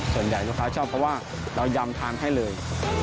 ส่วนใหญ่ลูกค้าชอบเพราะว่าเรายำทานให้เลย